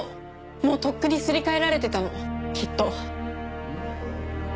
もうとっくにすり替えられてたのきっと。